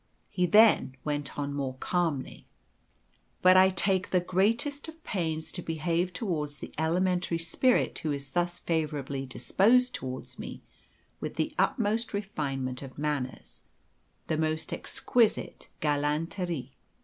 He then went on more calmly "But I take the greatest of pains to behave towards the elementary spirit who is thus favourably disposed towards me with the utmost refinement of manners, the most exquisite galanterie.